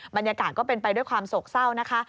บรรยากาศก็เป็นไปด้วยความโศกเศร้านะคะ